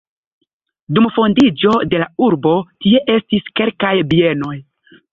Dum fondiĝo de la urbo tie estis kelkaj bienoj.